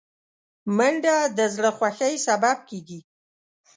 منډه د زړه خوښۍ سبب کېږي